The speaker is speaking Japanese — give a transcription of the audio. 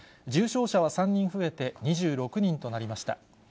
重症者は３人増えて２６人となりました。